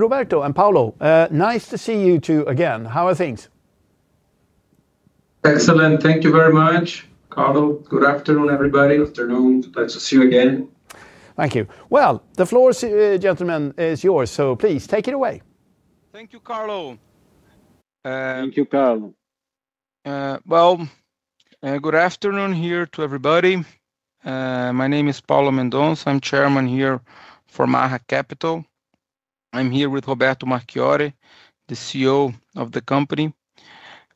Roberto and Paolo, nice to see you two again. How are things? Excellent, thank you very much. Kaarlo, good afternoon, everybody. Afternoon, nice to see you again. Thank you. The floor, gentlemen, is yours, so please take it away. Thank you, Kaarlo. Thank you, Kaarlo. Good afternoon to everybody. My name is Paolo Mendonça. I'm Chairman here for Maha Capital. I'm here with Roberto Marchionne, the CEO of the company.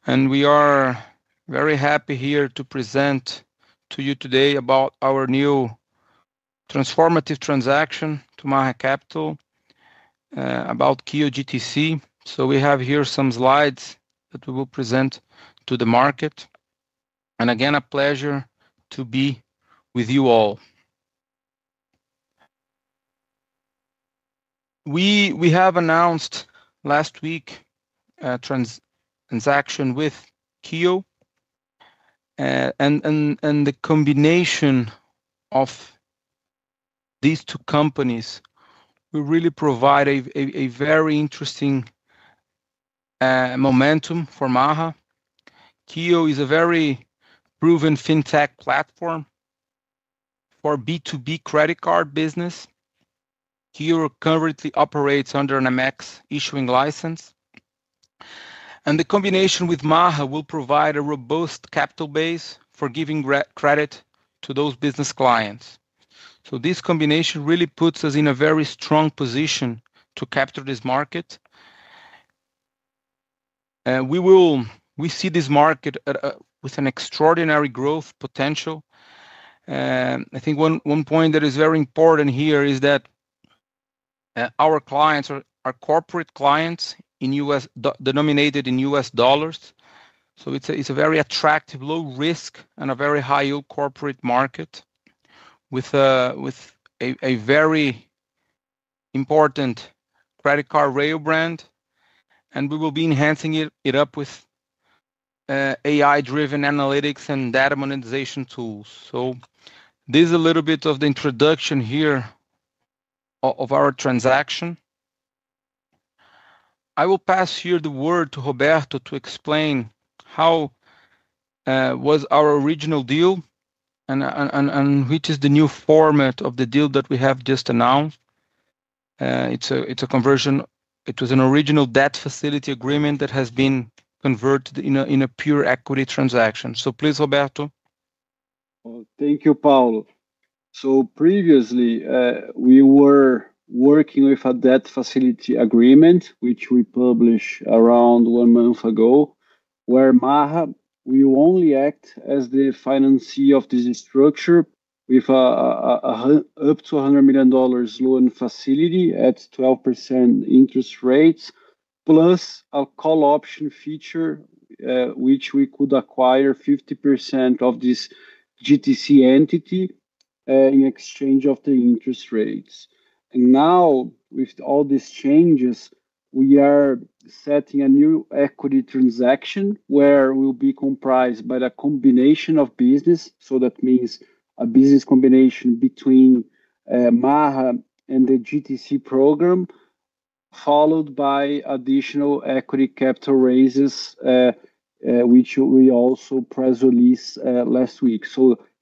We are very happy to present to you today our new transformative transaction for Maha Capital about KEO GTC. We have some slides that we will present to the market. Again, a pleasure to be with you all. We announced last week a transaction with KEO. The combination of these two companies will really provide very interesting momentum for Maha. KEO is a very proven fintech platform for B2B credit card business. KEO currently operates under an American Express issuing license. The combination with Maha will provide a robust capital base for giving credit to those business clients. This combination really puts us in a very strong position to capture this market. We see this market with extraordinary growth potential. I think one point that is very important here is that our clients are corporate clients denominated in U.S. dollars. It's a very attractive, low-risk, and very high-yield corporate market with a very important credit card rail brand. We will be enhancing it with AI-driven analytics and data monetization tools. This is a little bit of the introduction of our transaction. I will pass the word to Roberto to explain how our original deal was and what is the new format of the deal that we have just announced. It's a conversion. It was an original debt facility agreement that has been converted in a pure equity transaction. Please, Roberto. Thank you, Paolo. Previously, we were working with a debt facility agreement, which we published around one month ago, where Maha Capital would only act as the finance of this structure with an up to $100 million loan facility at 12% interest rates, plus a call option feature, which we could acquire 50% of this GTC entity in exchange for the interest rates. Now, with all these changes, we are setting a new equity transaction where we'll be comprised by the combination of business. That means a business combination between Maha Capital and the Global Trade Card (GTC) program, followed by additional equity capital raises, which we also press released last week.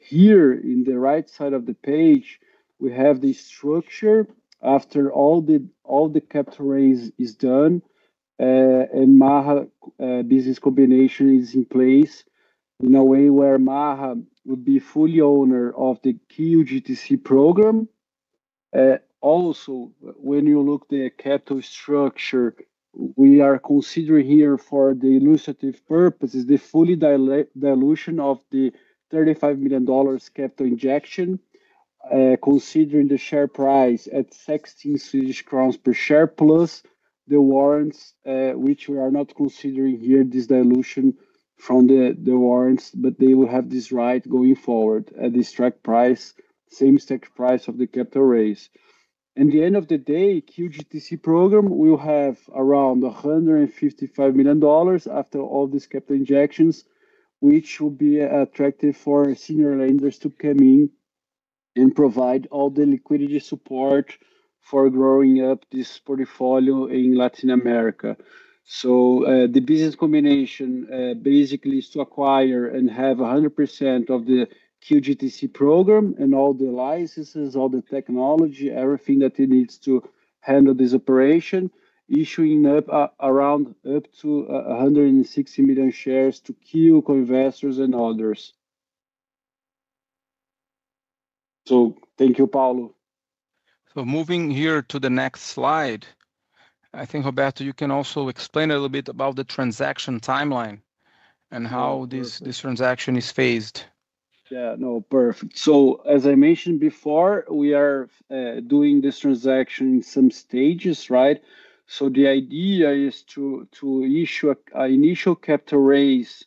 Here on the right side of the page, we have the structure after all the capital raise is done and the Maha Capital business combination is in place in a way where Maha Capital would be fully owner of the KEO GTC program. Also, when you look at the capital structure, we are considering here for illustrative purposes the full dilution of the $35 million capital injection, considering the share price at 16 Swedish crowns per share, plus the warrants, which we are not considering here, this dilution from the warrants, but they will have this right going forward at the strike price, same strike price of the capital raise. At the end of the day, the KEO GTC program will have around $155 million after all these capital injections, which will be attractive for senior lenders to come in and provide all the liquidity support for growing up this portfolio in Latin America. The business combination basically is to acquire and have 100% of the KEO GTC program and all the licenses, all the technology, everything that it needs to handle this operation, issuing up around up to 160 million shares to KEO co-investors and others. Thank you, Paolo. Moving here to the next slide, I think, Roberto, you can also explain a little bit about the transaction timeline and how this transaction is phased. Yeah, no, perfect. As I mentioned before, we are doing this transaction in some stages, right? The idea is to issue an initial capital raise,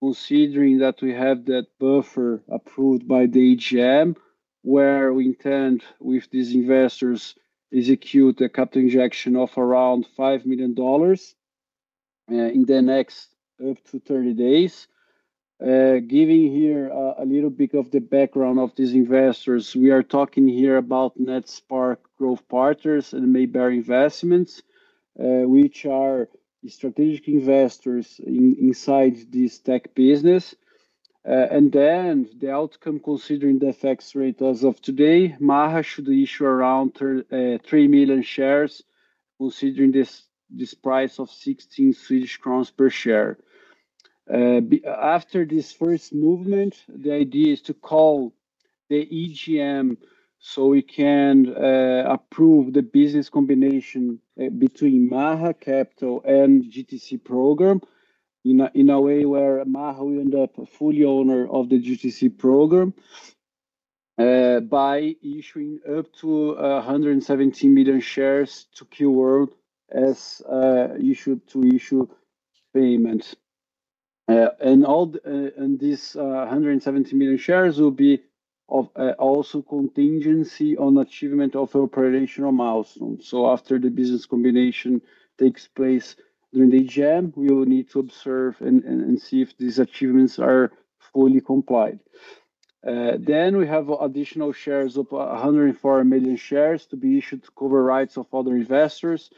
considering that we have that buffer approved by the AGM, where we intend with these investors to execute a capital injection of around $5 million in the next up to 30 days. Giving here a little bit of the background of these investors, we are talking here about Netspark Growth Partners and Mayberry Investments, which are strategic investors inside this tech business. The outcome, considering the FX rate as of today, Maha Capital should issue around 3 million shares, considering this price of 16 Swedish crowns per share. After this first movement, the idea is to call the AGM so we can approve the business combination between Maha Capital and the Global Trade Card (GTC) program in a way where Maha Capital will end up fully owner of the GTC program by issuing up to 170 million shares to KEO World as you should to issue payment. All in this 170 million shares will be also contingency on the achievement of operational milestones. After the business combination takes place during the AGM, we will need to observe and see if these achievements are fully complied. We have additional shares of 104 million shares to be issued to cover rights of other investors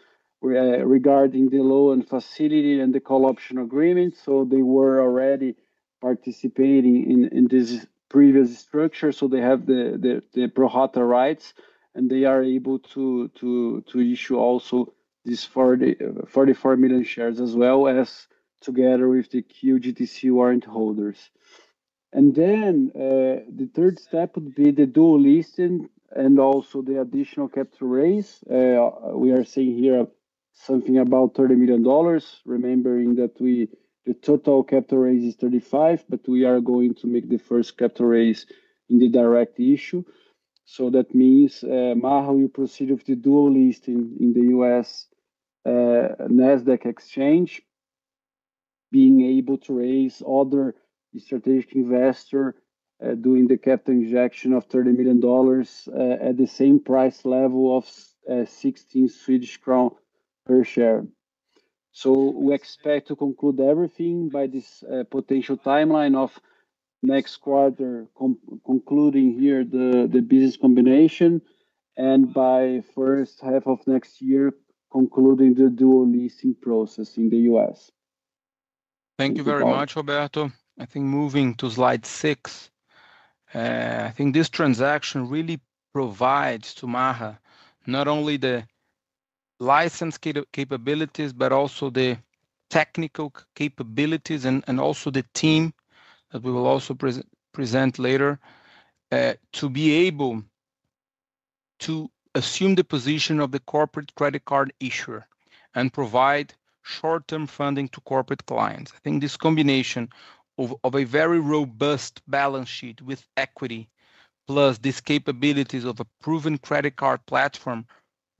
regarding the loan facility and the call option agreement. They were already participating in this previous structure. They have the pro rata rights, and they are able to issue also these 44 million shares as well as together with the KEO GTC warrant holders. The third step would be the dual listing and also the additional capital raise. We are seeing here something about $30 million, remembering that the total capital raise is $35 million, but we are going to make the first capital raise in the direct issue. That means Maha Capital will proceed with the dual listing in the U.S. Nasdaq exchange, being able to raise other strategic investors doing the capital injection of $30 million at the same price level of 16 Swedish crowns per share. We expect to conclude everything by this potential timeline of next quarter, concluding here the business combination, and by the first half of next year, concluding the dual listing process in the U.S. Thank you very much, Roberto. Moving to slide six, I think this transaction really provides to Maha not only the license capabilities, but also the technical capabilities and also the team that we will also present later to be able to assume the position of the corporate credit card issuer and provide short-term funding to corporate clients. This combination of a very robust balance sheet with equity, plus these capabilities of a proven credit card platform,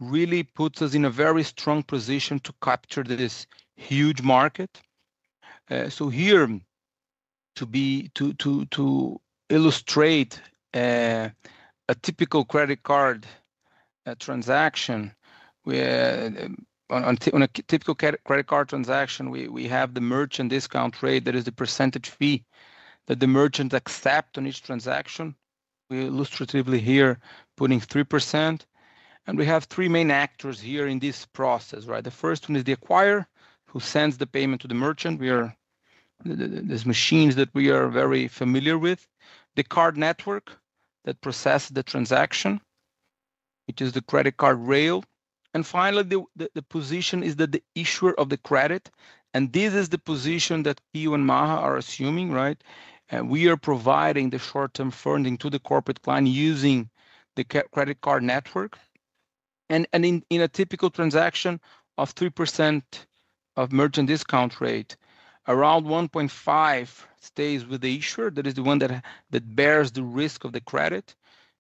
really puts us in a very strong position to capture this huge market. Here, to illustrate a typical credit card transaction, on a typical credit card transaction, we have the merchant discount rate that is the percentage fee that the merchants accept on each transaction. We illustratively here are putting 3%. We have three main actors here in this process, right? The first one is the acquirer who sends the payment to the merchant. These are these machines that we are very familiar with. The card network processes the transaction, which is the credit card rail. Finally, the position is that the issuer of the credit, and this is the position that KEO and Maha are assuming, right? We are providing the short-term funding to the corporate client using the credit card network. In a typical transaction of 3% merchant discount rate, around 1.5% stays with the issuer, that is the one that bears the risk of the credit,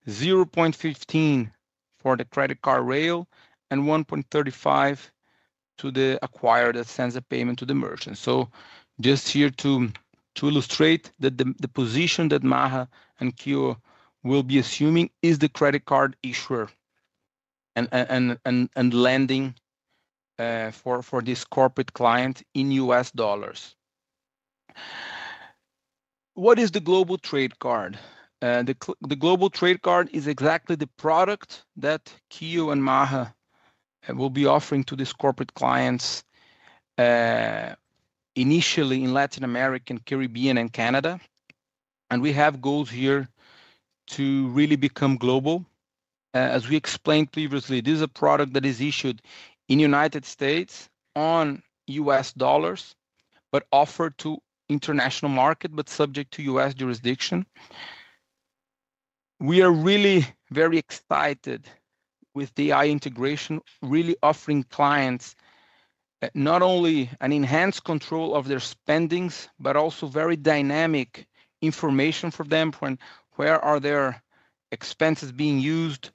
0.15% for the credit card rail, and 1.35% to the acquirer that sends the payment to the merchant. Just here to illustrate that the position that Maha and KEO will be assuming is the credit card issuer and lending for this corporate client in U.S. dollars. What is the Global Trade Card? The Global Trade Card is exactly the product that KEO and Maha will be offering to these corporate clients initially in Latin America, Caribbean, and Canada. We have goals here to really become global. As we explained previously, this is a product that is issued in the United States in U.S. dollars, but offered to the international market, but subject to U.S. jurisdiction. We are really very excited with AI integration, really offering clients not only an enhanced control of their spendings, but also very dynamic information for them when, where are their expenses being used,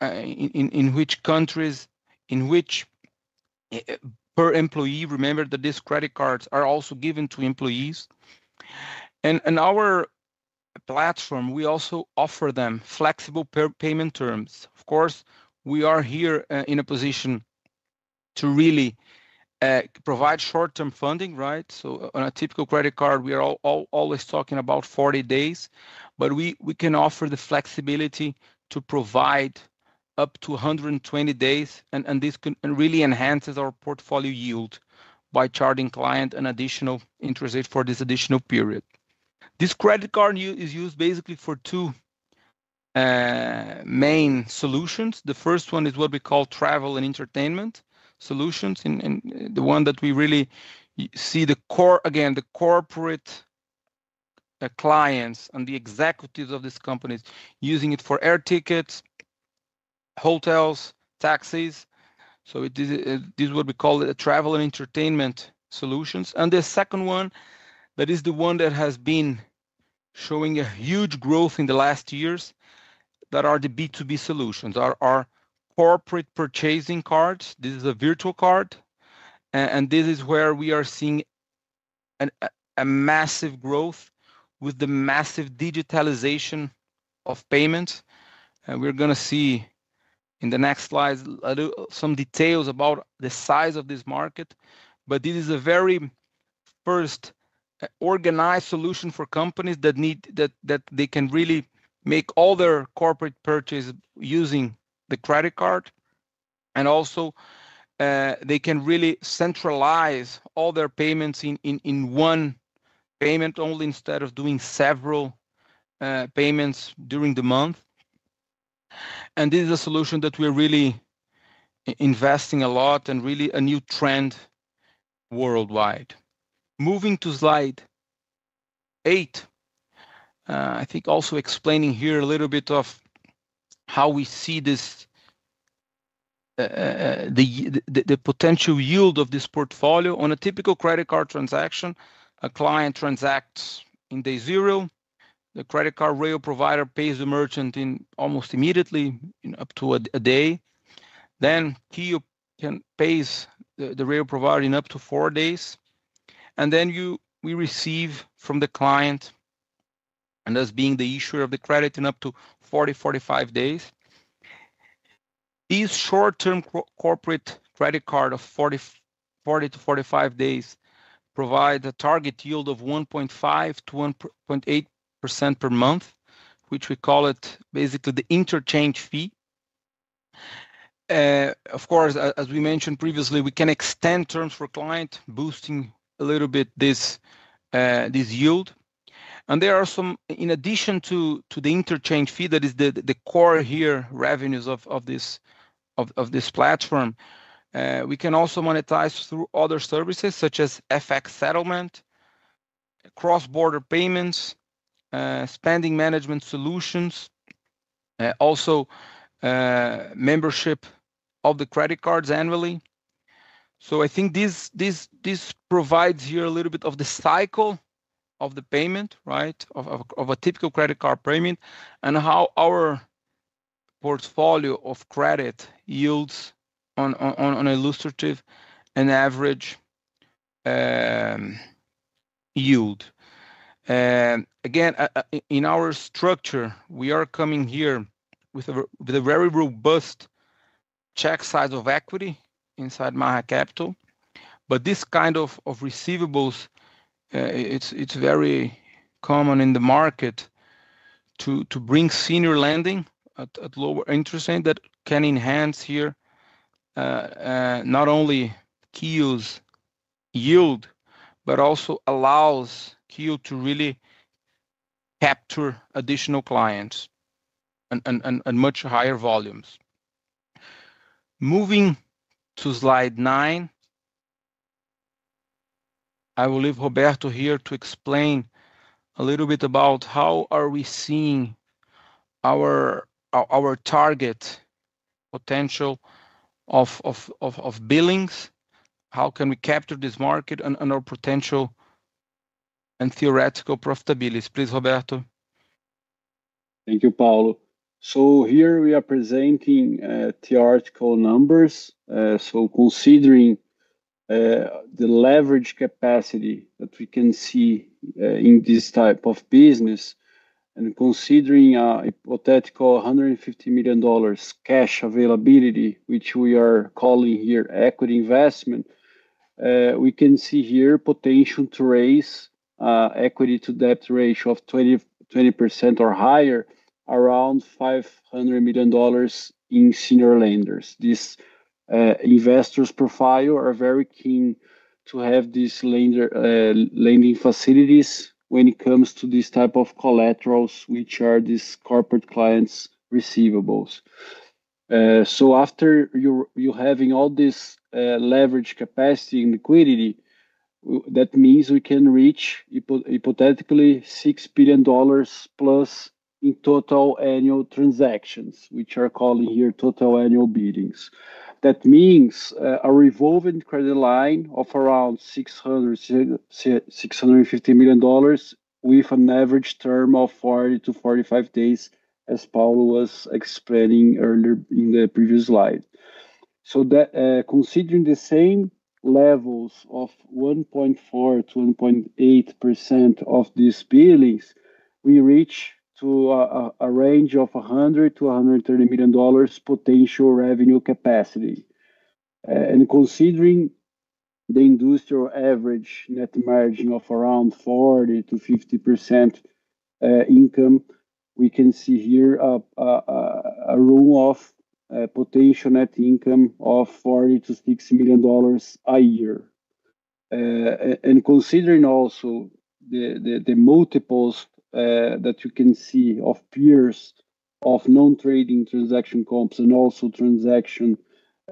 in which countries, in which per employee. Remember that these credit cards are also given to employees. In our platform, we also offer them flexible payment terms. Of course, we are here in a position to really provide short-term funding, right? On a typical corporate credit card, we are always talking about 40 days, but we can offer the flexibility to provide up to 120 days, and this really enhances our portfolio yield by charging clients an additional interest rate for this additional period. This corporate credit card is used basically for two main solutions. The first one is what we call travel and entertainment solutions, and the one that we really see as the core, again, the corporate clients and the executives of these companies using it for air tickets, hotels, taxis. This is what we call the travel and entertainment solutions. The second one, that is the one that has been showing a huge growth in the last years, is the B2B solutions, our corporate purchasing cards. This is a virtual card, and this is where we are seeing a massive growth with the massive digitalization of payments. We are going to see in the next slides some details about the size of this market, but this is a very first organized solution for companies that need to really make all their corporate purchases using the corporate credit card. Also, they can really centralize all their payments in one payment only instead of doing several payments during the month. This is a solution that we are really investing a lot in, really a new trend worldwide. Moving to slide eight, I think also explaining here a little bit of how we see this, the potential yield of this portfolio. On a typical corporate credit card transaction, a client transacts in day zero. The corporate credit card rail provider pays the merchant almost immediately in up to a day. Then KEO World pays the rail provider in up to four days. We receive from the client, and that's being the issuer of the credit, in up to 40 to 45 days. This short-term corporate credit card of 40 to 45 days provides a target yield of 1.5%-1.8% per month, which we call basically the interchange fee. Of course, as we mentioned previously, we can extend terms for clients, boosting a little bit this yield. In addition to the interchange fee, that is the core revenues of this platform, we can also monetize through other services such as FX settlement, cross-border payments, spend management solutions, also membership of the corporate credit cards annually. I think this provides here a little bit of the cycle of the payment, right, of a typical credit card payment and how our portfolio of credit yields on an illustrative and average yield. Again, in our structure, we are coming here with a very robust check size of equity inside Maha Capital. This kind of receivables, it's very common in the market to bring senior lending at lower interest rates that can enhance here not only KEO's yield, but also allows KEO to really capture additional clients and much higher volumes. Moving to slide nine, I will leave Roberto here to explain a little bit about how are we seeing our target potential of billings, how can we capture this market and our potential and theoretical profitability. Please, Roberto. Thank you, Paolo. Here we are presenting theoretical numbers. Considering the leverage capacity that we can see in this type of business and considering a hypothetical $150 million cash availability, which we are calling here equity investment, we can see here potential to raise equity to debt ratio of 20% or higher, around $500 million in senior lenders. These investors' profiles are very keen to have these lending facilities when it comes to these types of collaterals, which are these corporate clients' receivables. After you have all this leverage capacity and liquidity, that means we can reach hypothetically $6 billion plus in total annual transactions, which are called in here total annual biddings. That means a revolving credit line of around $650 million with an average term of 40 to 45 days, as Paolo was explaining earlier in the previous slide. Considering the same levels of 1.4%-1.8% of these biddings, we reach a range of $100-$130 million potential revenue capacity. Considering the industrial average net margin of around 40%-50% income, we can see here a room of potential net income of $40-$60 million a year. Considering also the multiples that you can see of peers of non-trading transaction comps and also transaction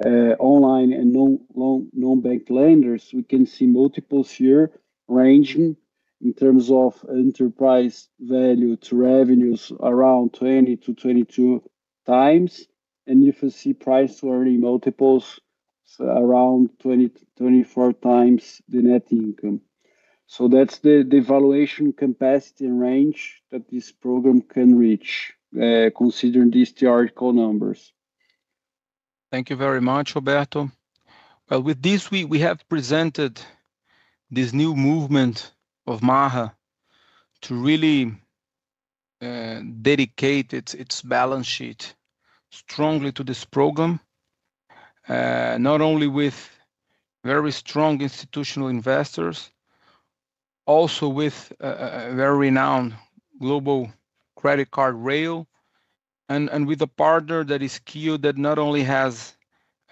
online and non-bank lenders, we can see multiples here ranging in terms of enterprise value to revenues around 20-22 times. If you see price to earnings multiples, it's around 20-24 times the net income. That's the valuation capacity and range that this program can reach, considering these theoretical numbers. Thank you very much, Roberto. With this, we have presented this new movement of Maha to really dedicate its balance sheet strongly to this program, not only with very strong institutional investors, also with a very renowned global credit card rail, and with a partner that is KEO that not only has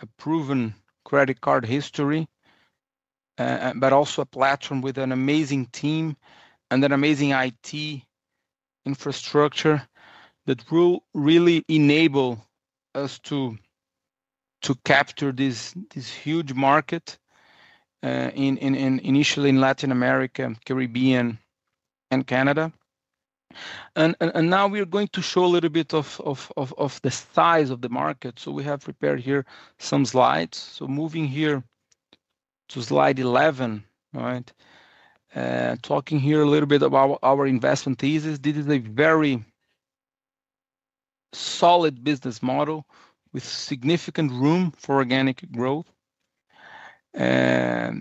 a proven credit card history, but also a platform with an amazing team and an amazing IT infrastructure that will really enable us to capture this huge market initially in Latin America, Caribbean, and Canada. Now we are going to show a little bit of the size of the market. We have prepared here some slides. Moving here to slide 11, talking here a little bit about our investment thesis. This is a very solid business model with significant room for organic growth. Maha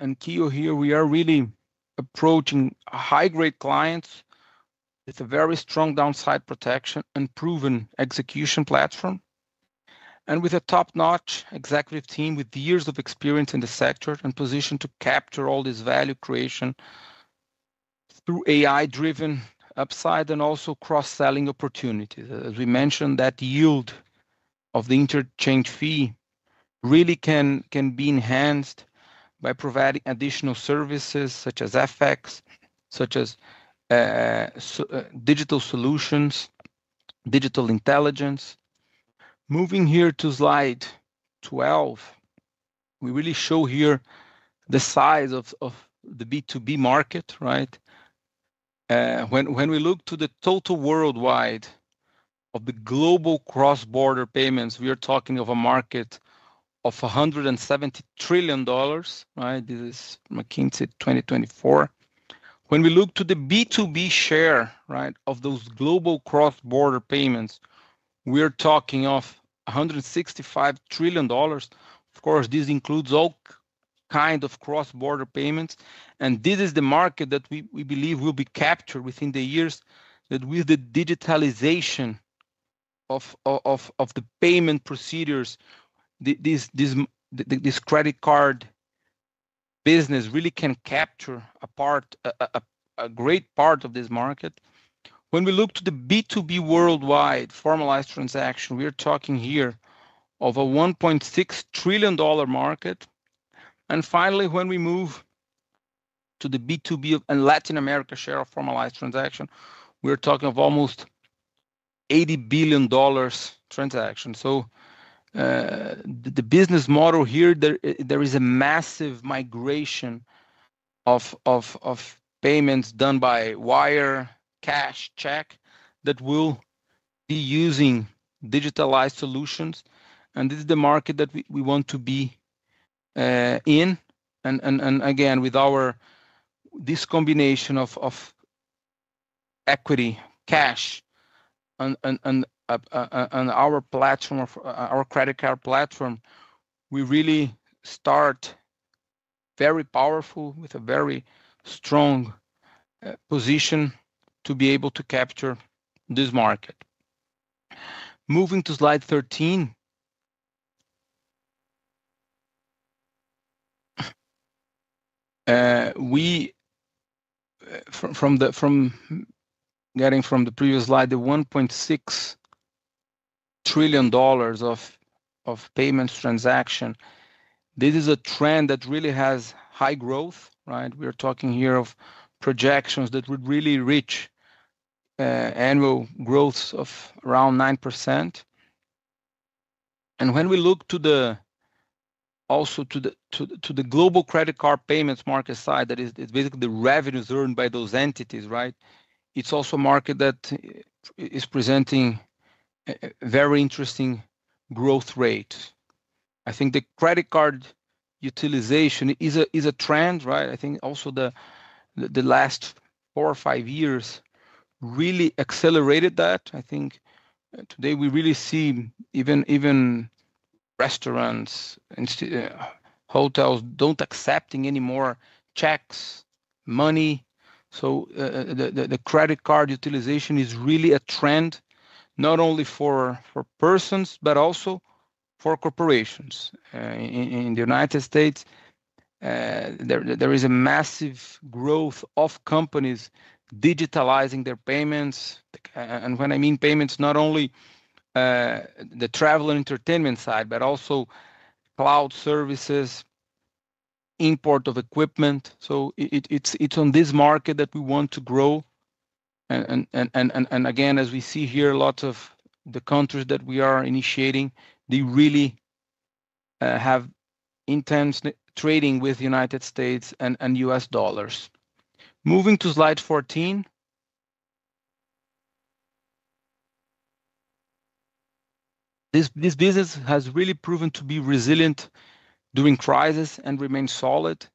and KEO here, we are really approaching high-grade clients with a very strong downside protection and proven execution platform, and with a top-notch executive team with years of experience in the sector and position to capture all this value creation through AI-driven upside and also cross-selling opportunities. As we mentioned, that yield of the interchange fee really can be enhanced by providing additional services such as FX, such as digital solutions, digital intelligence. Moving here to slide 12, we really show here the size of the B2B market. When we look to the total worldwide of the global cross-border payments, we are talking of a market of $170 trillion. This is McKinsey 2024. When we look to the B2B share of those global cross-border payments, we are talking of $165 trillion. Of course, this includes all kinds of cross-border payments. This is the market that we believe will be captured within the years that with the digitalization of the payment procedures, this credit card business really can capture a great part of this market. When we look to the B2B worldwide formalized transaction, we are talking here of a $1.6 trillion market. Finally, when we move to the B2B and Latin America share of formalized transaction, we are talking of almost $80 billion transaction. The business model here, there is a massive migration of payments done by wire, cash, check that will be using digitalized solutions. This is the market that we want to be in. Again, with this combination of equity, cash, and our platform, our credit card platform, we really start very powerful with a very strong position to be able to capture this market. Moving to slide 13, we are getting from the previous slide, the $1.6 trillion of payments transaction, this is a trend that really has high growth, right? We are talking here of projections that would really reach annual growth of around 9%. When we look to the global credit card payments market side, that is basically the revenues earned by those entities, right? It's also a market that is presenting very interesting growth rates. I think the credit card utilization is a trend, right? I think also the last four or five years really accelerated that. I think today we really see even restaurants and hotels don't accept any more checks, money. The credit card utilization is really a trend not only for persons, but also for corporations. In the United States, there is a massive growth of companies digitalizing their payments. When I mean payments, not only the travel and entertainment side, but also cloud services, import of equipment. It's on this market that we want to grow. As we see here, a lot of the countries that we are initiating, they really have intense trading with the United States and US dollars. Moving to slide 14, this business has really proven to be resilient during crises and remains solid.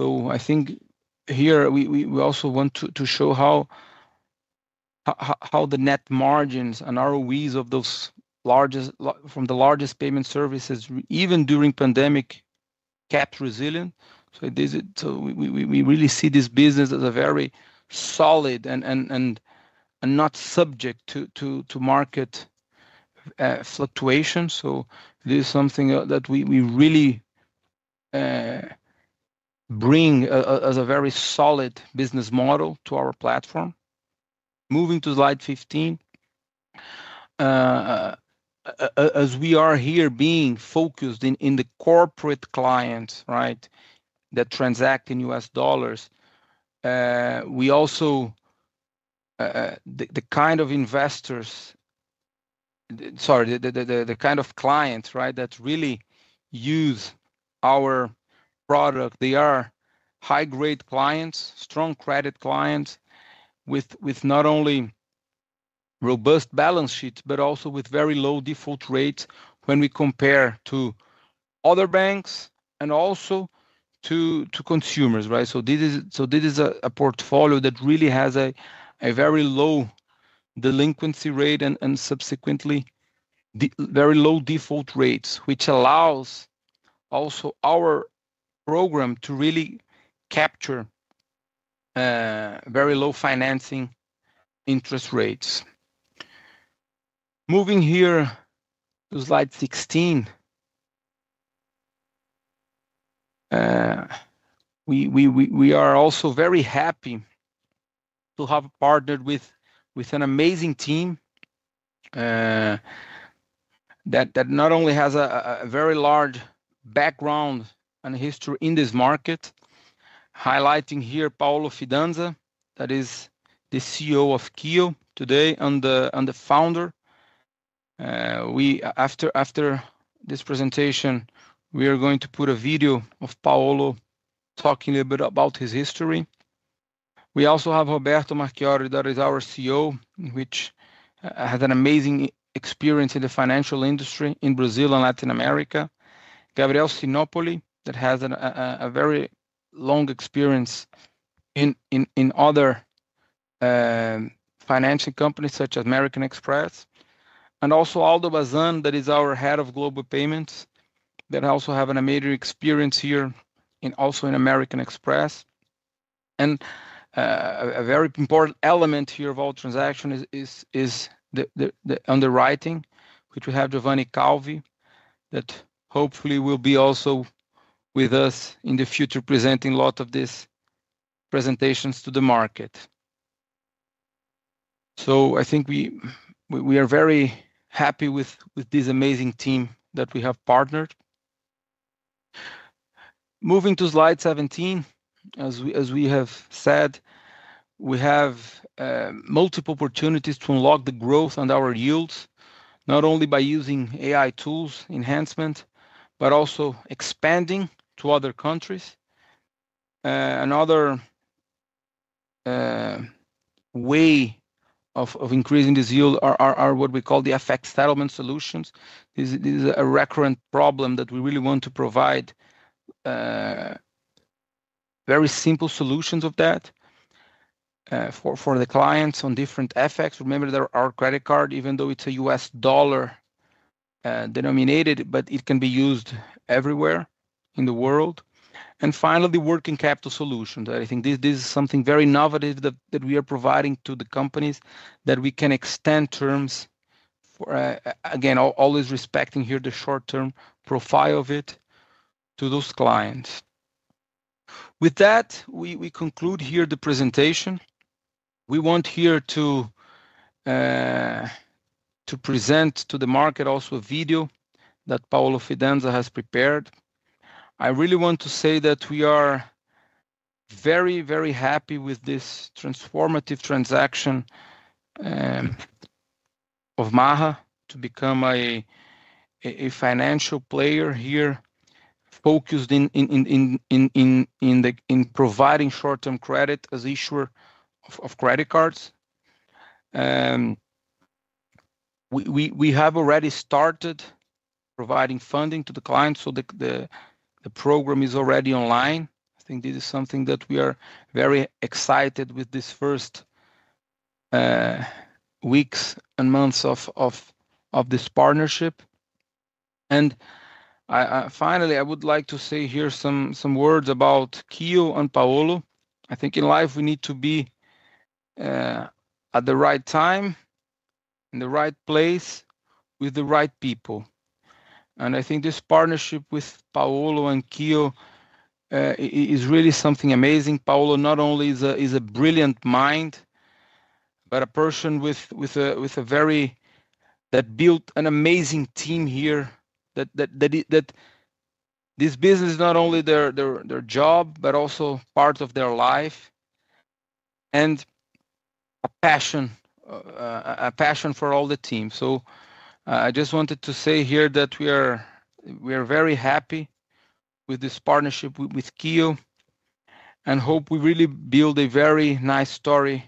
I think here we also want to show how the net margins and ROEs of those from the largest payment services, even during pandemic, kept resilient. We really see this business as a very solid and not subject to market fluctuations. This is something that we really bring as a very solid business model to our platform. Moving to slide 15, as we are here being focused in the corporate clients, right, that transact in US dollars, we also the kind of clients, right, that really use our product, they are high-grade clients, strong credit clients with not only robust balance sheets, but also with very low default rates when we compare to other banks and also to consumers, right? This is a portfolio that really has a very low delinquency rate and subsequently very low default rates, which allows also our program to really capture very low financing interest rates. Moving here to slide 16, we are also very happy to have partnered with an amazing team that not only has a very large background and history in this market, highlighting here Paolo Fidanza, that is the CEO of KEO World today and the founder. After this presentation, we are going to put a video of Paolo talking a little bit about his history. We also have Roberto Marchionne, that is our CEO, which has an amazing experience in the financial industry in Brazil and Latin America. Gabriel Sinopoli, that has a very long experience in other financing companies such as American Express. Also Aldo Bazan, that is our Head of Global Payments, that also has an amazing experience here and also in American Express. A very important element here of all transactions is the underwriting, which we have Giovanni Calvi, that hopefully will be also with us in the future, presenting a lot of these presentations to the market. I think we are very happy with this amazing team that we have partnered. Moving to slide 17, as we have said, we have multiple opportunities to unlock the growth and our yields, not only by using AI tools, enhancements, but also expanding to other countries. Another way of increasing this yield are what we call the FX settlement solutions. This is a recurrent problem that we really want to provide very simple solutions of that for the clients on different FX. Remember that our corporate credit card, even though it's a US dollar denominated, but it can be used everywhere in the world. Finally, the working capital solution. I think this is something very innovative that we are providing to the companies that we can extend terms for, again, always respecting here the short-term profile of it to those clients. With that, we conclude here the presentation. We want here to present to the market also a video that Paolo Fidanza has prepared. I really want to say that we are very, very happy with this transformative transaction of Maha Capital to become a financial player here focused in providing short-term credit as the issuer of credit cards. We have already started providing funding to the clients, so the program is already online. I think this is something that we are very excited with these first weeks and months of this partnership. Finally, I would like to say here some words about KEO and Paolo. I think in life, we need to be at the right time, in the right place, with the right people. I think this partnership with Paolo and KEO is really something amazing. Paolo not only is a brilliant mind, but a person with a very that built an amazing team here that this business is not only their job, but also part of their life and a passion for all the team. I just wanted to say here that we are very happy with this partnership with KEO World and hope we really build a very nice story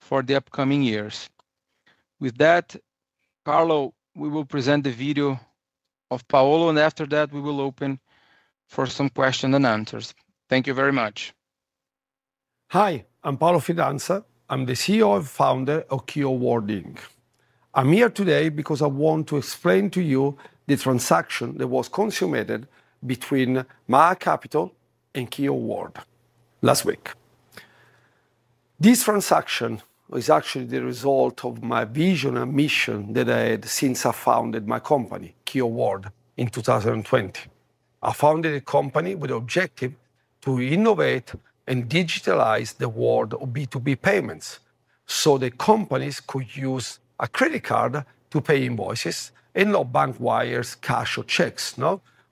for the upcoming years. With that, Kaarlo, we will present the video of Paolo, and after that, we will open for some questions and answers. Thank you very much. Hi, I'm Paolo Fidanza. I'm the CEO and Founder of KEO World Inc. I'm here today because I want to explain to you the transaction that was consummated between Maha Capital and KEO World last week. This transaction is actually the result of my vision and mission that I had since I founded my company, KEO World, in 2020. I founded a company with the objective to innovate and digitalize the world of B2B payments so that companies could use a credit card to pay invoices and not bank wires, cash, or checks.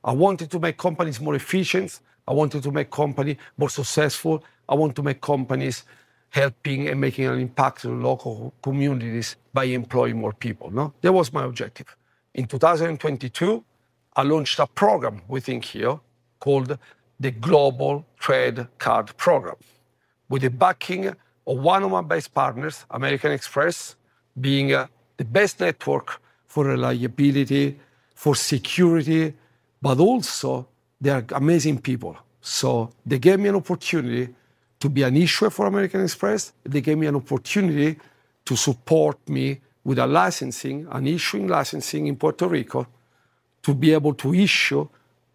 I wanted to make companies more efficient. I wanted to make companies more successful. I wanted to make companies helping and making an impact in local communities by employing more people. That was my objective. In 2022, I launched a program within KEO called the Global Trade Card (GTC) program, with the backing of one of my best partners, American Express, being the best network for reliability, for security, but also they are amazing people. They gave me an opportunity to be an issuer for American Express. They gave me an opportunity to support me with a licensing, an issuing licensing in Puerto Rico to be able to issue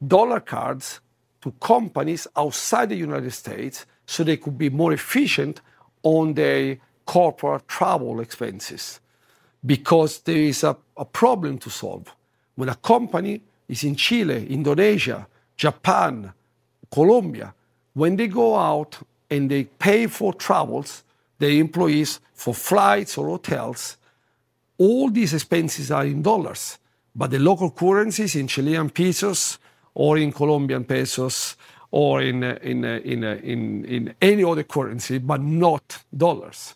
dollar cards to companies outside the United States so they could be more efficient on their corporate travel expenses because there is a problem to solve. When a company is in Chile, Indonesia, Japan, Colombia, when they go out and they pay for travels, their employees for flights or hotels, all these expenses are in dollars, but the local currencies in Chilean pesos or in Colombian pesos or in any other currency, but not dollars.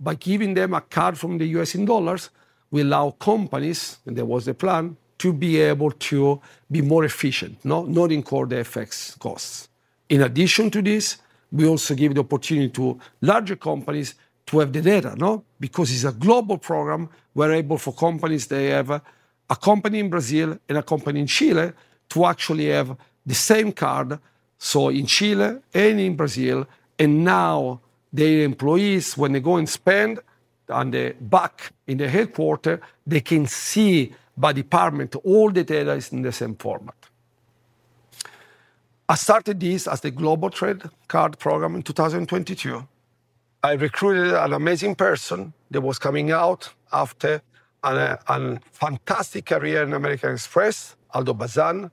By giving them a card from the U.S. in dollars, we allow companies, and that was the plan, to be able to be more efficient, not incur the FX costs. In addition to this, we also give the opportunity to larger companies to have the data, because it's a global program. We're able for companies to have a company in Brazil and a company in Chile to actually have the same card. In Chile and in Brazil, and now their employees, when they go and spend on the back in the headquarter, they can see by department all the data is in the same format. I started this as the Global Trade Card (GTC) program in 2022. I recruited an amazing person that was coming out after a fantastic career in American Express, Aldo Bazan.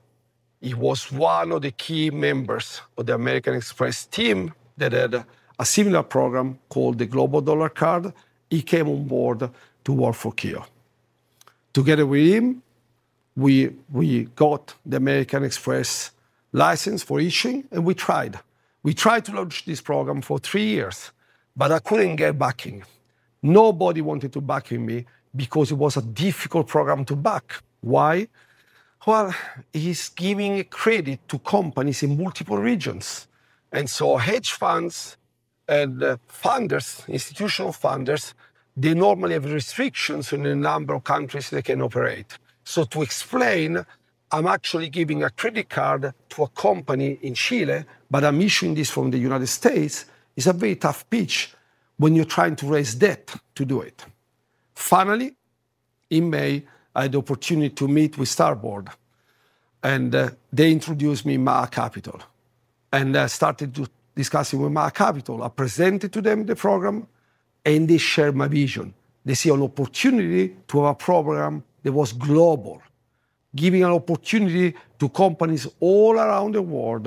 He was one of the key members of the American Express team that had a similar program called the Global Dollar Card. He came on board to work for KEO. Together with him, we got the American Express license for issuing, and we tried. We tried to launch this program for three years, but I couldn't get backing. Nobody wanted to backing me because it was a difficult program to back. Why? He's giving credit to companies in multiple regions. Hedge funds and funders, institutional funders, they normally have restrictions in a number of countries they can operate. To explain, I'm actually giving a credit card to a company in Chile, but I'm issuing this from the United States. It's a very tough pitch when you're trying to raise debt to do it. Finally, in May, I had the opportunity to meet with Starboard, and they introduced me to Maha Capital. I started discussing with Maha Capital. I presented to them the program, and they shared my vision. They see an opportunity to have a program that was global, giving an opportunity to companies all around the world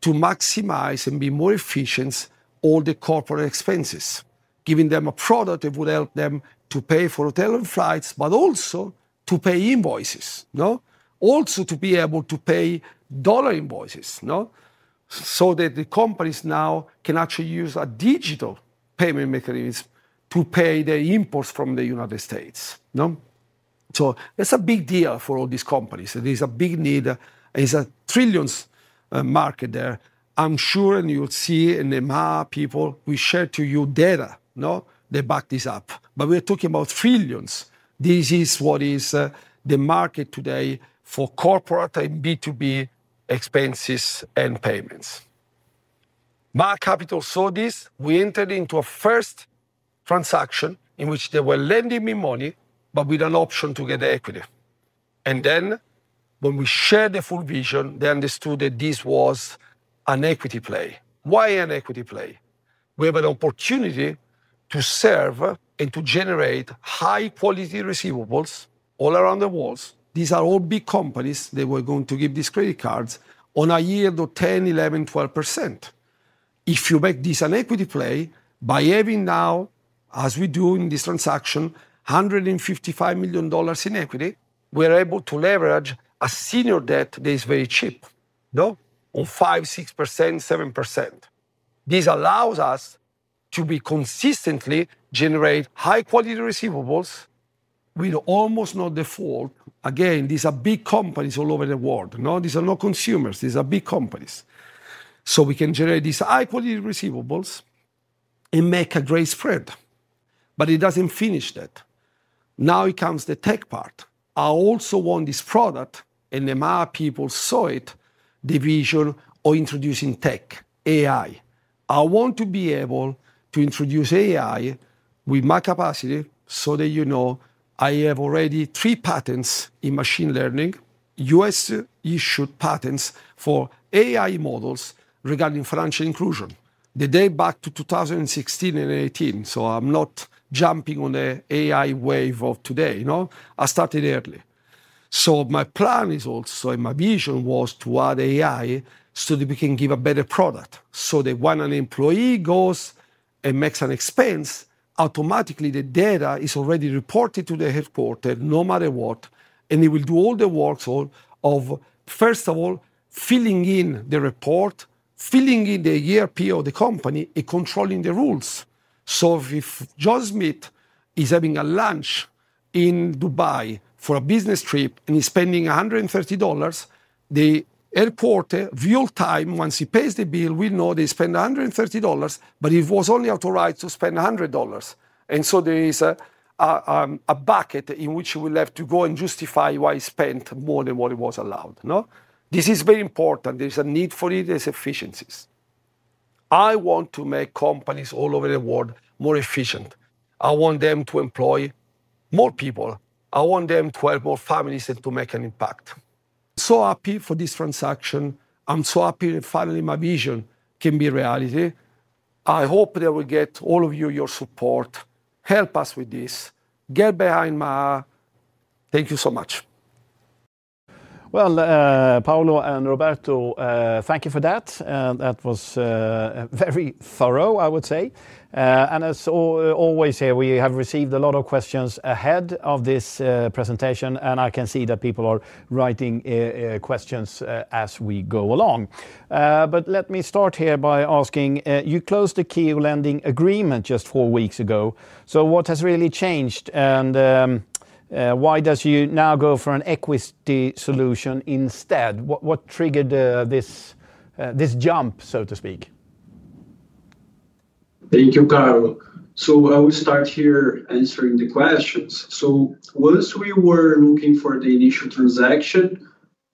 to maximize and be more efficient on all the corporate expenses, giving them a product that would help them to pay for hotel and flights, but also to pay invoices, also to be able to pay dollar invoices, so that the companies now can actually use a digital payment mechanism to pay their imports from the United States. It's a big deal for all these companies. There's a big need, and it's a trillion market there. I'm sure you'll see in the Maha people, we share to you data, they back this up. We are talking about trillions. This is what is the market today for corporate and B2B expenses and payments. Maha Capital saw this. We entered into a first transaction in which they were lending me money, but with an option to get the equity. When we shared the full vision, they understood that this was an equity play. Why an equity play? We have an opportunity to serve and to generate high-quality receivables all around the world. These are all big companies that were going to give these credit cards on a yield of 10%, 11%, 12%. If you make this an equity play by having now, as we do in this transaction, $155 million in equity, we are able to leverage a senior debt that is very cheap, on 5%, 6%, 7%. This allows us to consistently generate high-quality receivables with almost no default. Again, these are big companies all over the world. These are not consumers. These are big companies. We can generate these high-quality receivables and make a great spread. It doesn't finish that. Now it comes to the tech part. I also want this product, and the Maha people saw it, the vision of introducing tech, AI. I want to be able to introduce AI with my capacity so that you know I have already three patents in machine learning, U.S.-issued patents for AI models regarding financial inclusion. They date back to 2016 and 2018. I'm not jumping on the AI wave of today. No, I started early. My plan is also and my vision was to add AI so that we can give a better product. When an employee goes and makes an expense, automatically the data is already reported to the headquarter no matter what, and it will do all the work of, first of all, filling in the report, filling in the ERP of the company, and controlling the rules. If John Smith is having a lunch in Dubai for a business trip and he's spending $130, the headquarter, real-time, once he pays the bill, we know they spent $130, but it was only authorized to spend $100. There is a bucket in which he will have to go and justify why he spent more than what he was allowed. This is very important. There's a need for it. There's efficiencies. I want to make companies all over the world more efficient. I want them to employ more people. I want them to help more families and to make an impact. Happy for this transaction. I'm so happy that finally my vision can be a reality. I hope that we get all of you, your support, help us with this, get behind Maha. Thank you so much. Paolo and Roberto, thank you for that. That was very thorough, I would say. As always here, we have received a lot of questions ahead of this presentation, and I can see that people are writing questions as we go along. Let me start here by asking, you closed the KEO lending agreement just four weeks ago. What has really changed, and why do you now go for an equity solution instead? What triggered this jump, so to speak? Thank you, Kaarlo. I will start here answering the questions. Once we were looking for the initial transaction,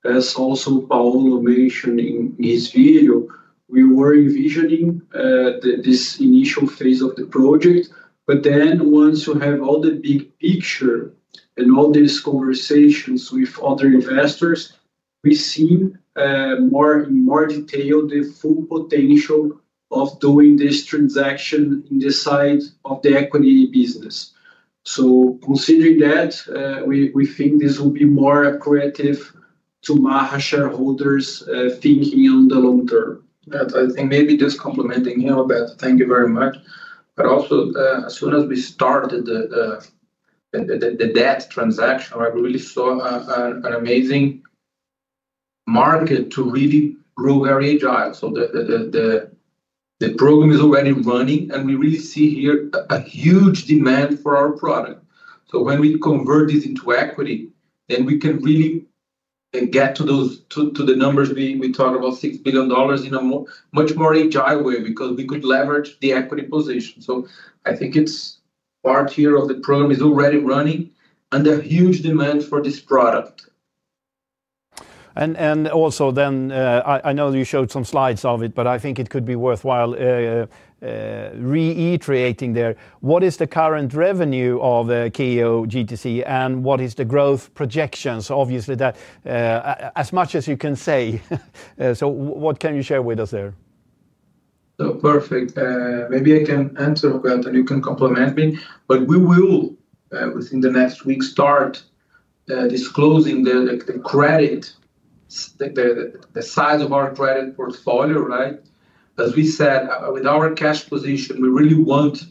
as Paolo mentioned in his video, we were envisioning this initial phase of the project. Once you have all the big picture and all these conversations with other investors, we've seen more and more detail, the full potential of doing this transaction in the side of the equity business. Considering that, we think this will be more accretive to Maha Capital shareholders thinking on the long term. Maybe just complementing you, Albert, thank you very much. Also, as soon as we started the debt transaction, I really saw an amazing market to really grow very agile. The program is already running, and we really see here a huge demand for our product. When we convert this into equity, then we can really get to the numbers we talked about, $6 billion in a much more agile way because we could leverage the equity position. I think it's part here of the program is already running under huge demand for this product. I know you showed some slides of it, but I think it could be worthwhile reiterating there. What is the current revenue of KEO GTC, and what is the growth projection? Obviously, as much as you can say. What can you share with us there? Perfect. Maybe I can answer, Roberto, and you can complement me. We will, within the next week, start disclosing the size of our credit portfolio, right? As we said, with our cash position, we really want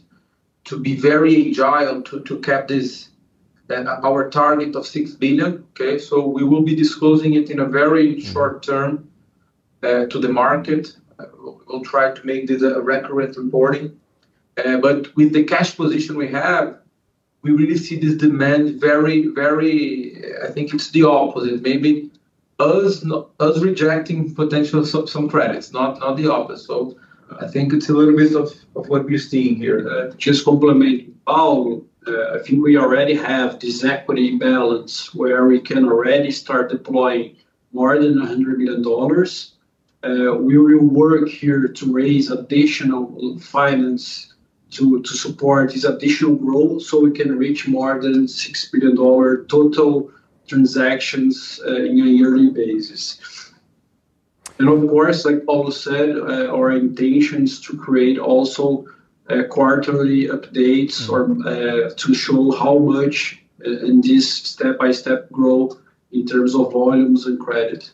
to be very agile to cap this at our target of $6 billion. We will be disclosing it in a very short term to the market. We'll try to make this a recurrent reporting. With the cash position we have, we really see this demand very, very, I think it's the opposite. Maybe us rejecting potential sub-sum credits, not the opposite. I think it's a little bit of what we're seeing here. Just complementing Paolo, I think we already have this equity balance where we can already start deploying more than $100 million. We will work here to raise additional finance to support this additional growth so we can reach more than $6 billion total transactions on a yearly basis. Of course, like Paolo said, our intention is to create also quarterly updates to show how much in this step-by-step growth in terms of volumes and credit.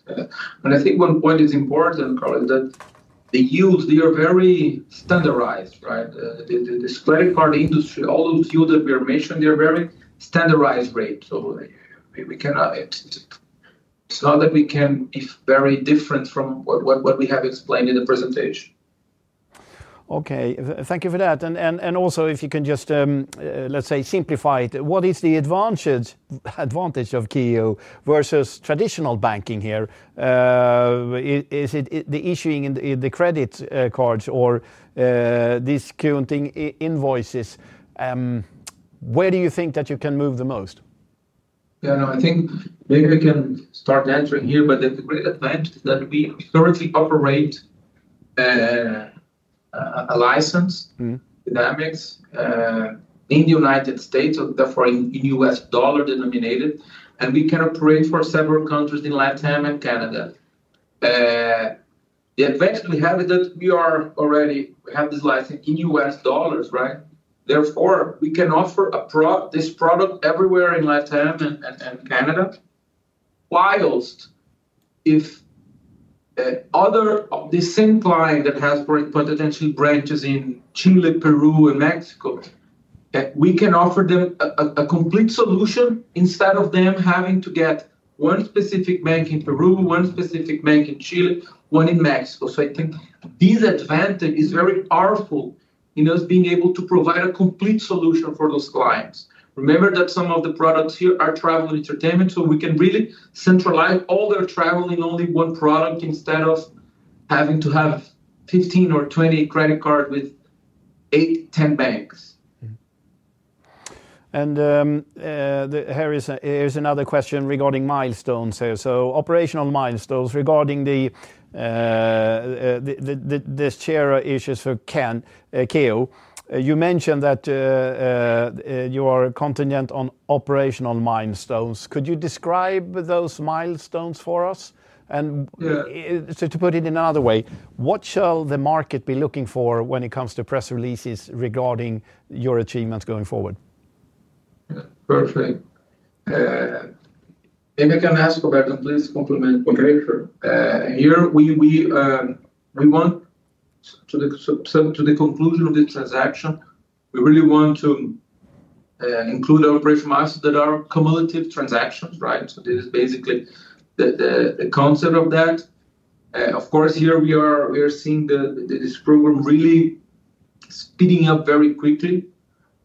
I think one point is important, Kaarlo, that the yields, they are very standardized, right? This corporate credit card industry, all those yields that we are mentioning, they are very standardized rates. We cannot, it's not that we can, it's very different from what we have explained in the presentation. Thank you for that. If you can just, let's say, simplify it, what is the advantage of KEO versus traditional banking here? Is it the issuing in the credit cards or discounting invoices? Where do you think that you can move the most? I think maybe I can start answering here, but the great advantage is that we currently operate a license in the United States, therefore in U.S. dollar denominated, and we can operate for several countries in Latin America and Canada. The advantage we have is that we already have this license in U.S. dollars, right? Therefore, we can offer this product everywhere in Latin America and Canada. If other distinct clients have potential branches in Chile, Peru, and Mexico, we can offer them a complete solution instead of them having to get one specific bank in Peru, one specific bank in Chile, one in Mexico. I think this advantage is very powerful in us being able to provide a complete solution for those clients. Remember that some of the products here are travel and entertainment, so we can really centralize all their travel in only one product instead of having to have 15 or 20 credit cards with eight, 10 banks. Here's another question regarding milestones here. Operational milestones regarding this share issue for KEO. You mentioned that you are contingent on operational milestones. Could you describe those milestones for us? To put it in another way, what shall the market be looking for when it comes to press releases regarding your achievements going forward? Perfect. I can ask about this complement potential. Here, we want to, at the conclusion of the transaction, really include operational milestones that are cumulative transactions, right? This is basically the concept of that. Of course, here we are seeing this program really speeding up very quickly,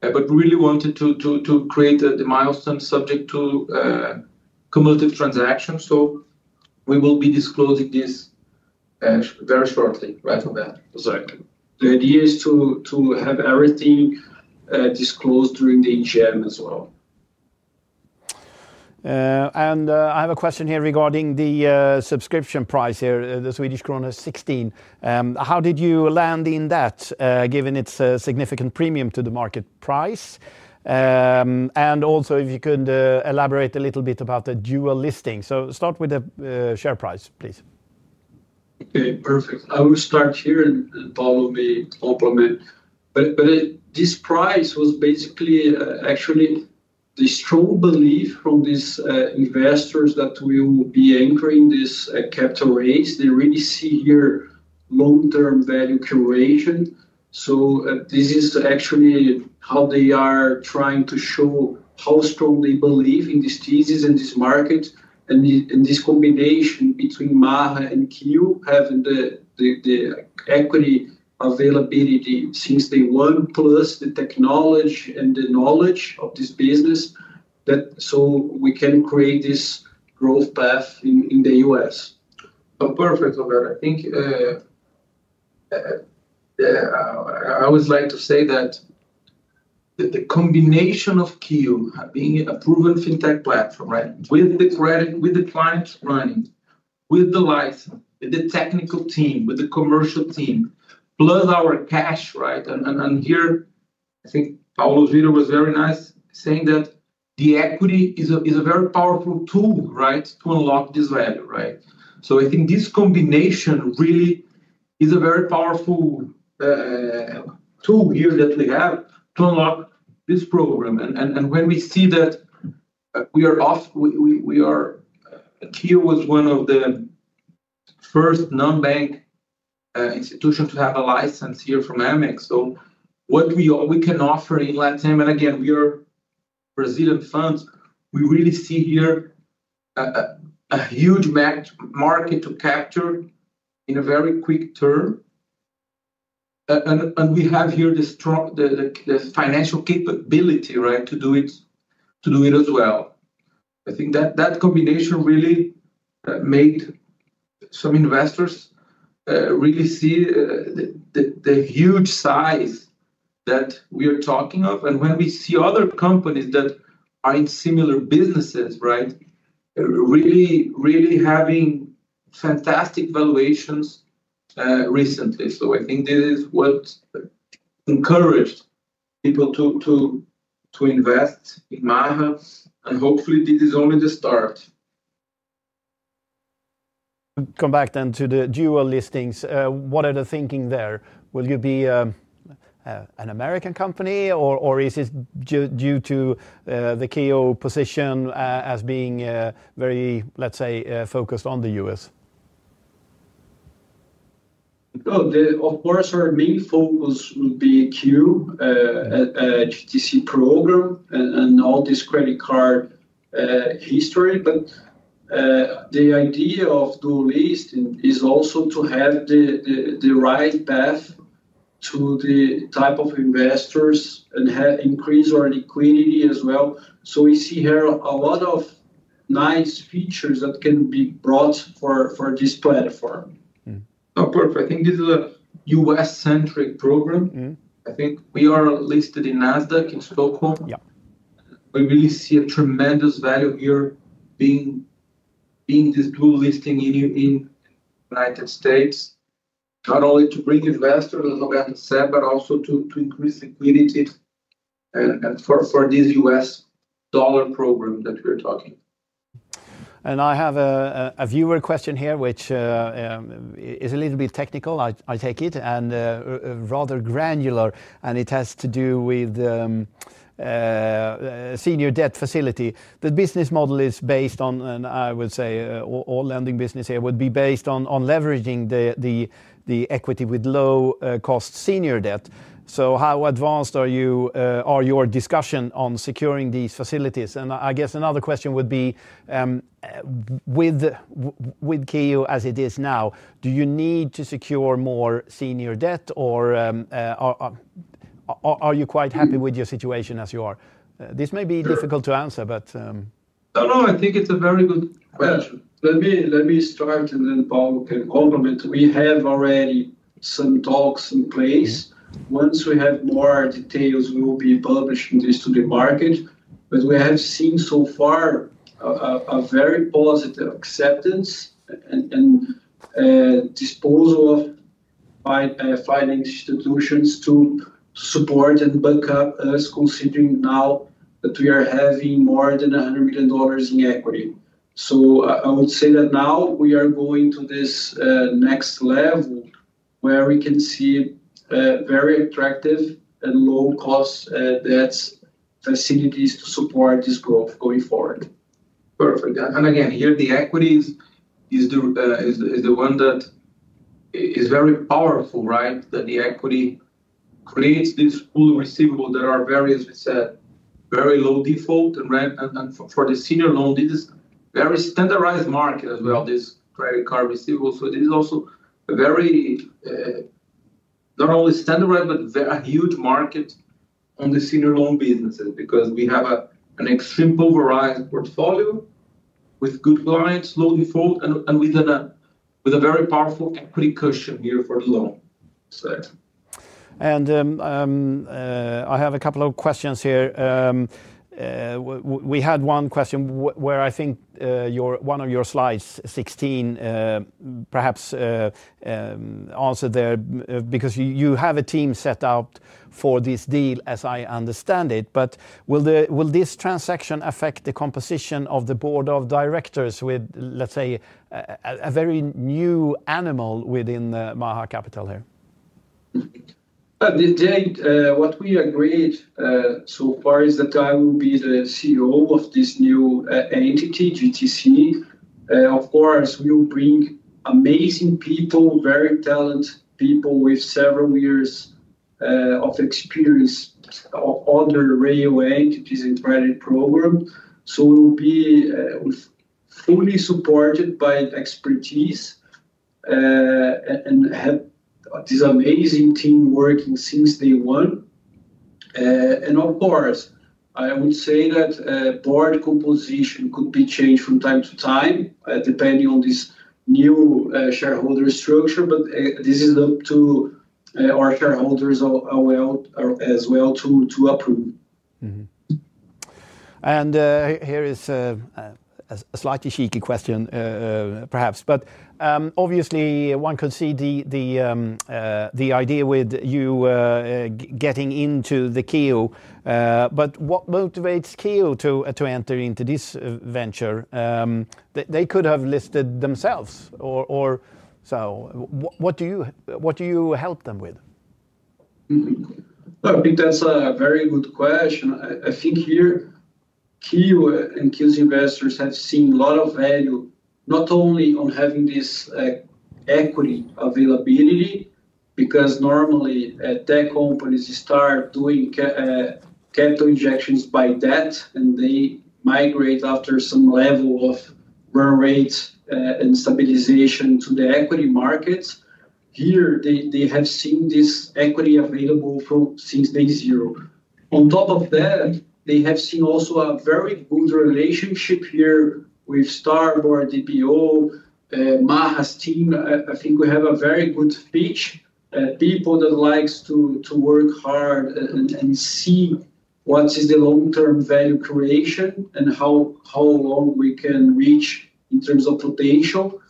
but we really wanted to create the milestones subject to cumulative transactions. We will be disclosing this very shortly, right from that. Exactly. The idea is to have everything disclosed during the GEM as well. I have a question here regarding the subscription price, the Swedish krona 16. How did you land on that, given its significant premium to the market price? If you could elaborate a little bit about the dual listing, please start with the share price. Okay, perfect. I will start here and follow me, complement. This price was basically actually the strong belief from these investors that we will be anchoring this capital raise. They really see here long-term value creation. This is actually how they are trying to show how strong they believe in this thesis and this market and this combination between Maha Capital and KEO World having the equity availability since they want to plus the technology and the knowledge of this business so we can create this growth path in the U.S. Perfect, Robert. I think I always like to say that the combination of KEO being a proven fintech platform, with the credit, with the clients running, with the license, with the technical team, with the commercial team, plus our cash, is key. Paolo's video was very nice, saying that the equity is a very powerful tool to unlock this revenue. I think this combination really is a very powerful tool here that we have to unlock this program. When we see that we are off, KEO was one of the first non-bank institutions to have a license here from American Express. What we can offer in Latin America, and again, we are Brazilian funds, we really see here a huge market to capture in a very quick term. We have here the financial capability to do it as well. I think that combination really made some investors really see the huge size that we are talking of. When we see other companies that are in similar businesses, really having fantastic valuations recently, I think this is what encourages people to invest in Maha Capital, and hopefully, this is only the start. Come back then to the dual listings. What are the thinking there? Will you be an American company, or is this due to the KEO position as being very, let's say, focused on the U.S.? Of course, our main focus would be KEO World Global Trade Card (GTC) program and all this credit card history. The idea of dual listing is also to have the right path to the type of investors and increase our liquidity as well. We see here a lot of nice features that can be brought for this platform. I think this is a U.S.-centric program. I think we are listed on Nasdaq in Stockholm. We really see a tremendous value here being this dual listing in the United States, not only to bring investors, as we have said, but also to increase liquidity for this U.S. dollar program that we're talking. I have a viewer question here, which is a little bit technical, I take it, and rather granular, and it has to do with the senior debt facility. The business model is based on, and I would say all lending business here would be based on leveraging the equity with low-cost senior debt. How advanced are your discussions on securing these facilities? I guess another question would be, with KEO as it is now, do you need to secure more senior debt, or are you quite happy with your situation as you are? This may be difficult to answer. No, I think it's a very good question. Let me start, and then Paolo can complement. We have already some talks in place. Once we have more details, we will be publishing this to the market. We have seen so far a very positive acceptance and disposal of finance institutions to support and back us, considering now that we are having more than $100 million in equity. I would say that now we are going to this next level where we can see very attractive and low-cost debt facilities to support this growth going forward. Perfect. Here the equity is the one that is very powerful, right? The equity creates this full receivable that are very, as we said, very low default. For the senior loan, this is a very standardized market as well, this corporate credit card receivable. This is also a very, not only standardized, but a huge market on the senior loan businesses because we have an example variety portfolio with good clients, low default, and with a very powerful equity cushion here for the loan. I have a couple of questions here. We had one question where I think one of your slides, 16, perhaps answered there because you have a team set out for this deal, as I understand it. Will this transaction affect the composition of the board of directors with, let's say, a very new animal within Maha Capital here? What we agreed so far is that I will be the CEO of this new entity, GTC, and of course, we will bring amazing people, very talented people with several years of experience on the radio entities and credit program. We will be fully supported by expertise and have this amazing team working since day one. I would say that board composition could be changed from time to time, depending on this new shareholder structure, but this is up to our shareholders as well to approve. Here is a slightly cheeky question, perhaps, but obviously, one could see the idea with you getting into the KEO. What motivates KEO World to enter into this venture? They could have listed themselves, so what do you help them with? I think that's a very good question. I think here KEO World and KEO World's investors have seen a lot of value, not only on having this equity availability, because normally tech companies start doing capital injections by debt, and they migrate after some level of burn rate and stabilization to the equity markets. Here, they have seen this equity available since day zero. On top of that, they have seen also a very good relationship here with Starboard, DPO, Maha Capital's team. I think we have a very good pitch, people that like to work hard and see what is the long-term value creation and how long we can reach in terms of potential.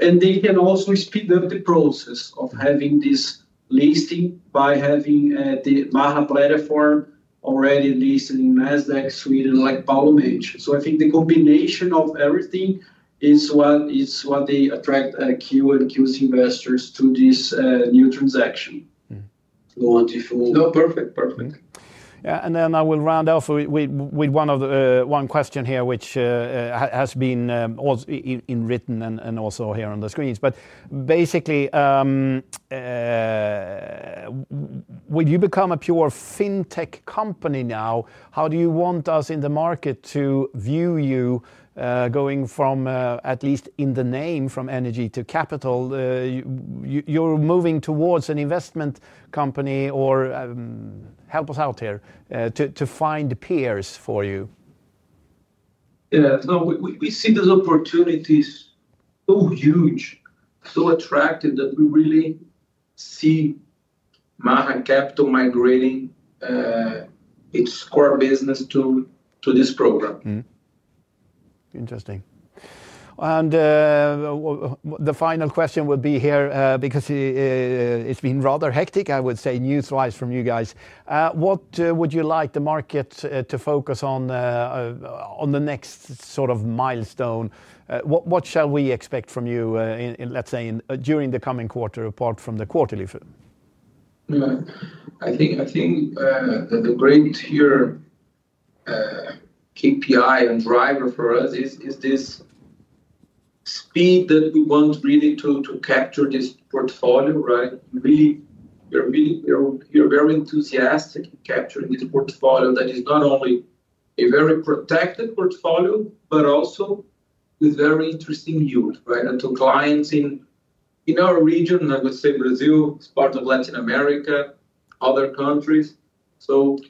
They can also speed up the process of having this listing by having the Maha Capital platform already listed in Nasdaq suite like Paolo mentioned. I think the combination of everything is what attracts KEO World and KEO World's investors to this new transaction. Perfect. I will round off with one question here, which has been in written and also here on the screens. Basically, when you become a pure fintech company now, how do you want us in the market to view you going from at least in the name from Energy to Capital? You're moving towards an investment company, or help us out here to find peers for you. Yeah, no, we see those opportunities so huge, so attractive that we really see Maha Capital migrating its core business to this program. Interesting. The final question would be here, because it's been rather hectic, I would say, news slides from you guys. What would you like the market to focus on as the next sort of milestone? What shall we expect from you, let's say, during the coming quarter, apart from the quarterly film? I think the great KPI and driver for us is this speed that we want really to capture this portfolio, right? We are very enthusiastic in capturing this portfolio that is not only a very protected portfolio, but also with very interesting views, right? To clients in our region, I would say in Brazil, part of Latin America, other countries,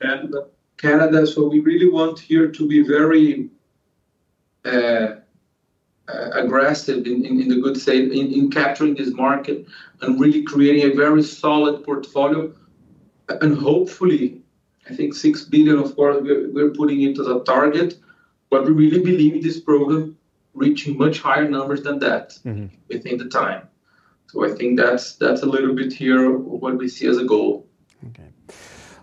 Canada. We really want here to be very aggressive in the good sense in capturing this market and really creating a very solid portfolio. Hopefully, I think $6 billion, of course, we're putting into the target, but we really believe this program reaches much higher numbers than that within the time. I think that's a little bit here what we see as a goal. Okay.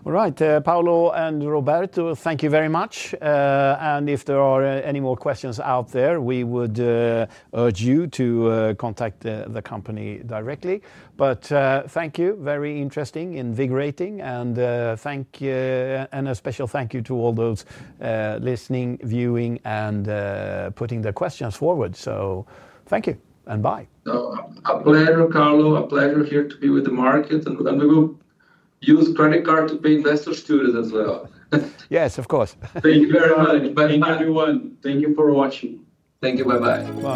All right, Paolo and Roberto, thank you very much. If there are any more questions out there, we would urge you to contact the company directly. Thank you, very interesting, invigorating, and a special thank you to all those listening, viewing, and putting their questions forward. Thank you and bye. A pleasure, Kaarlo, a pleasure here to be with the market. We will use credit cards to pay investors' students as well. Yes, of course. Thank you very much. Thank you, everyone. Thank you for watching. Thank you. Bye-bye.